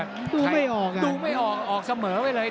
ดูไม่ออกดูไม่ออกออกเสมอไปเลย